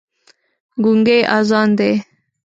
ګونګی اذان دی